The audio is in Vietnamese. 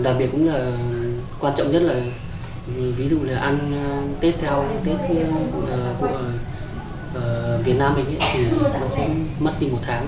đặc biệt quan trọng nhất là ăn tết theo tết của việt nam sẽ mất một tháng